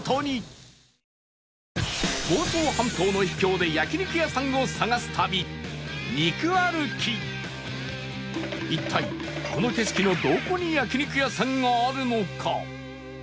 一同一体この景色のどこに焼肉屋さんがあるのか？